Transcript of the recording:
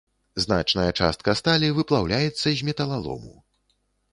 Значная частка сталі выплаўляецца з металалому.